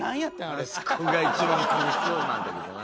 あそこが一番苦しそうなんだけどな。